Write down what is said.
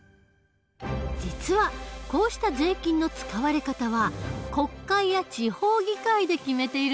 実はこうした税金の使われ方は国会や地方議会で決めているんだ。